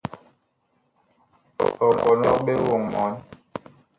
Ɔ kɔnɔg ɓe woŋ mɔɔn.